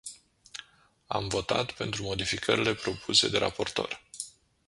Am votat pentru modificările propuse de raportor.